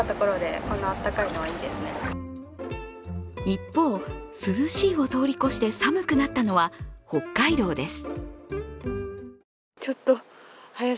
一方、涼しいを通り越して寒くなったのは北海道です。